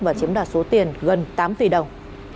và chiếm đoạt số tiền gần tám tỷ đồng